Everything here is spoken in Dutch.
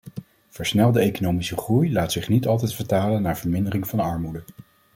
Versnelde economische groei laat zich niet altijd vertalen naar vermindering van armoede.